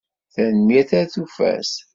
Tanemmirt! Ar tufat!